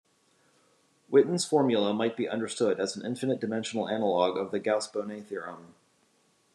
Witten's formula might be understood as an infinite-dimensional analogue of the Gauss-Bonnet theorem.